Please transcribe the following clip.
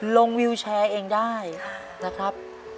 วิวแชร์เองได้นะครับ